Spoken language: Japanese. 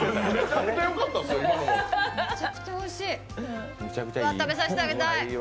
めちゃくちゃおいしい、食べさせてあげたい。